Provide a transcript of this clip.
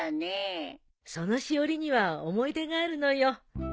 そのしおりには思い出があるのよ。